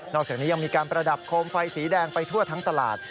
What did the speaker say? อกจากนี้ยังมีการประดับโคมไฟสีแดงไปทั่วทั้งตลาด